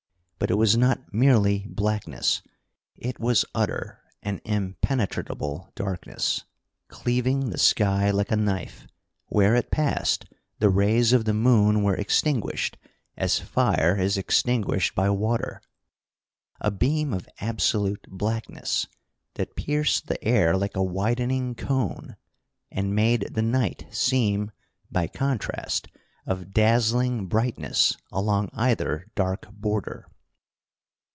But it was not merely blackness. It was utter and impenetrable darkness, cleaving the sky like a knife. Where it passed, the rays of the moon were extinguished as fire is extinguished by water. A beam of absolute blackness, that pierced the air like a widening cone, and made the night seem, by contrast, of dazzling brightness along either dark border.